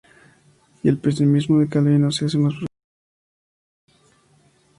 Y el pesimismo de Calvino se hace más profundo.